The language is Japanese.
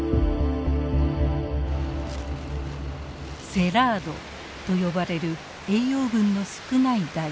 セラードと呼ばれる栄養分の少ない大地。